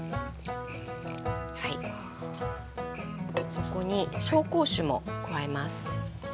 そこに紹興酒も加えます。